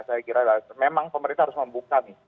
saya kira memang pemerintah harus membuka nih